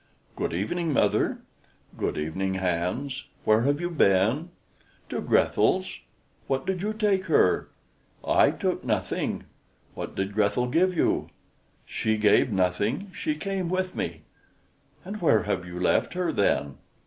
"Good evening, mother." "Good evening, Hans. Where have you been?" "To Grethel's." "What did you take her?" "I took nothing." "What did Grethel give you?" "She gave nothing; she came with me." "And where have you left her, then?"